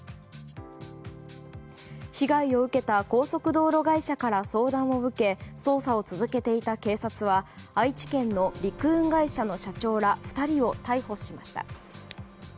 被害を受けた高速道路会社から相談を受け捜査を続けていた警察は愛知県の陸運会社の社長ら２人を逮捕しました。